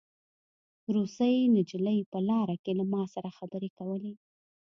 روسۍ نجلۍ په لاره کې له ما سره خبرې کولې